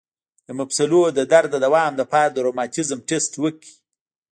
د مفصلونو د درد د دوام لپاره د روماتیزم ټسټ وکړئ